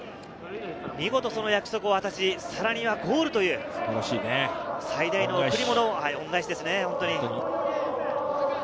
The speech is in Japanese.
見事その約束を果たし、さらにはゴールという最大の贈りものを、本当に恩返しですね。